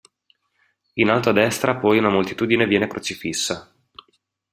In alto a destra poi una moltitudine viene crocifissa.